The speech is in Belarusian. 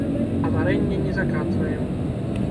А варэнне не закатваем.